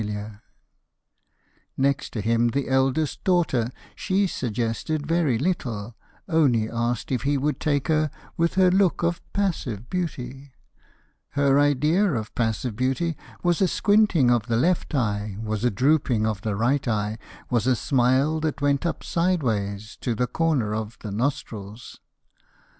[Illustration: "NEXT THE SON, THE STUNNING CANTAB"] Next to him the eldest daughter: She suggested very little, Only asked if he would take her With her look of 'passive beauty.' Her idea of passive beauty Was a squinting of the left eye, Was a drooping of the right eye, Was a smile that went up sideways To the corner of the nostrils.